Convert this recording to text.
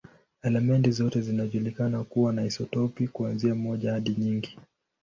Elementi zote zinajulikana kuwa na isotopi, kuanzia moja hadi nyingi.